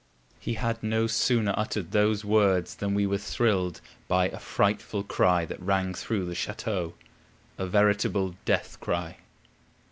He had no sooner uttered those words than we were thrilled by a frightful cry that rang through the chateau, a veritable death cry.